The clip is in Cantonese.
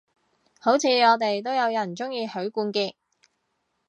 好似我哋都有人鍾意許冠傑